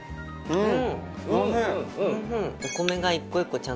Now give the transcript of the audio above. うん